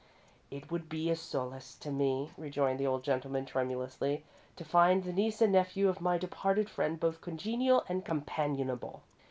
"It would be a solace to me," rejoined the old gentleman, tremulously, "to find the niece and nephew of my departed friend both congenial and companionable.